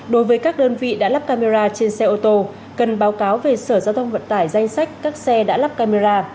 đối với các đơn vị đã lắp camera trên xe ô tô cần báo cáo về sở giao thông vận tải danh sách các xe đã lắp camera